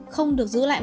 không được giữ lại mất